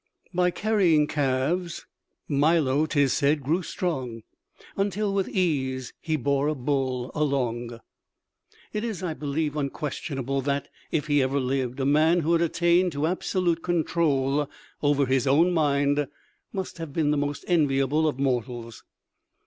"By carrying calves Milo, 'tis said, grew strong, Until with ease he bore a bull along." It is, I believe, unquestionable that, if he ever lived, a man who had attained to absolute control over his own mind, must have been the most enviable of mortals.